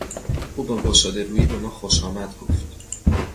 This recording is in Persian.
او با گشادهرویی به ما خوشامد گفت.